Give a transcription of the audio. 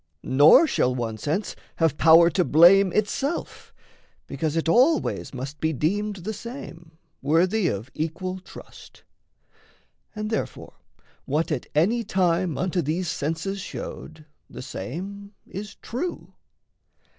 Nor shall one sense have power to blame itself, Because it always must be deemed the same, Worthy of equal trust. And therefore what At any time unto these senses showed, The same is true.